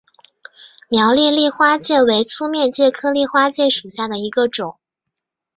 苗栗丽花介为粗面介科丽花介属下的一个种。